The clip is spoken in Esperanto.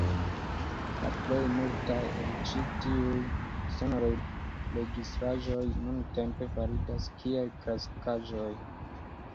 La plej multaj el ĉi tiuj sonregistraĵoj nuntempe validas kiel klasikaĵoj.